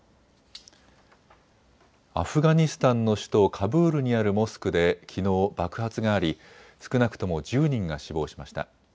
アフガニスタンの首都カブールにあるモスクできのう、爆発があり、少なくとも１０人が死亡しました。